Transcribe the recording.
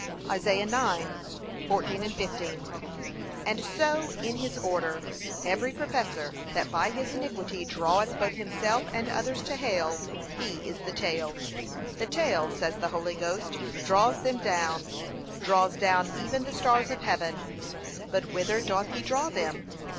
(Isa. 9:14, 15) And so in his order, every professor that by his iniquity draweth both himself and others to hell, he is the tail. The tail, says the Holy Ghost, draws them down; draws down even the stars of heaven; but whither doth he draw them?